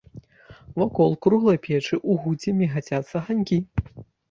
Вакол круглай печы ў гуце мігацяцца аганькі.